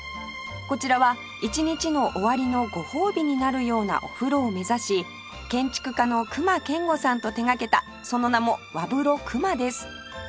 こちらは「一日の終わりのご褒美になるようなお風呂」を目指し建築家の隈研吾さんと手掛けたその名も「ワブロクマ」です